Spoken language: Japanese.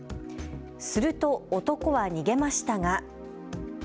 すると、男は逃げましたが。